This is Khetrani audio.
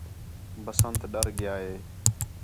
بسنٹ ڈَر ڳِیا ہِے